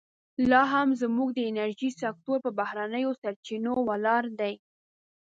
لا هم زموږ د انرژۍ سکتور پر بهرنیو سرچینو ولاړ دی.